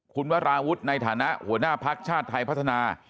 คุณวราวุฒิในฐานะหัวหน้าภักดิ์ชาติไทยพัฒนา